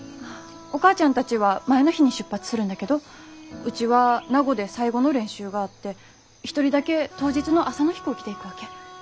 お母ちゃんたちは前の日に出発するんだけどうちは名護で最後の練習があって１人だけ当日の朝の飛行機で行くわけ。